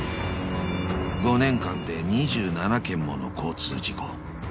［５年間で２７件もの交通事故］